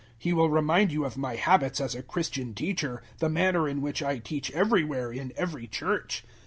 He will remind you of my habits as a Christian teacher the manner in which I teach everywhere in every Church.